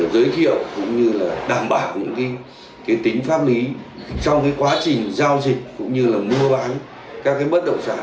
giới thiệu cũng như là đảm bảo những tính pháp lý trong quá trình giao dịch cũng như là mua bán các bất động sản